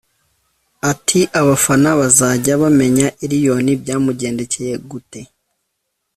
Ati “Abafana bazajya bamenya Elion byamugendekeye gute